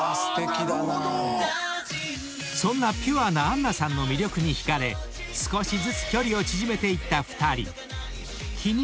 ［そんなピュアな杏奈さんの魅力に引かれ少しずつ距離を縮めていった２人］